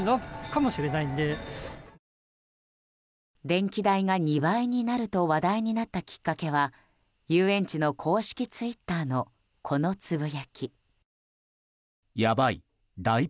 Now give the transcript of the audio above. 電気代が２倍になると話題になったきっかけは遊園地の公式ツイッターのこのつぶやき。